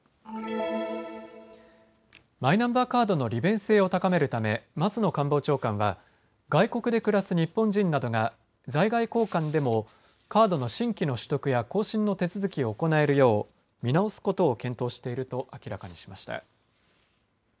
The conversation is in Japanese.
マイナンバーカードの利便性を高めるため松野官房長官は外国で暮らす日本人などが在外公館でもカードの新規の取得や更新の手続きを行えるよう見直すことを検討していると明らかにしました。